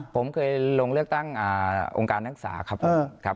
ผมเคยลงเลือกตั้งองค์การนักศึกษาครับผมครับ